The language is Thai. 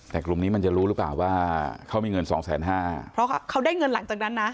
แต่กลุ่มนี้มันจะรู้หรือเปล่าว่าเขามีเงินสองแสนห้าเพราะเขาได้เงินหลังจากนั้นนะ